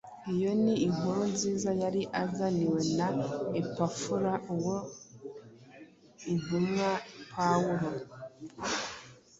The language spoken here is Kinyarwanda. Iyo ni inkuru nziza yari yarazaniwe na Epafura uwo intumwa Pawulo